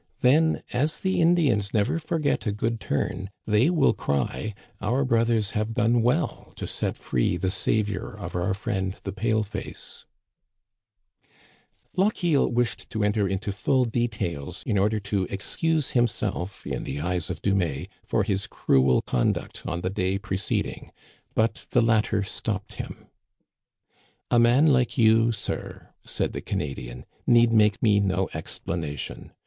Then, as the Indians never forget a good turn, they will cry, * Our brothers have done well to set free the savior of our friend the pale face !*" Lochiel wished to enter into full details in order to excuse himself in the eyes of Dumais for his cruel con duct on the day preceding ; but the latter stopped him. A man like you, sir," said the Canadian, " need make me no explanation.